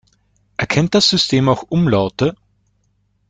Erkennt das System auch Umlaute?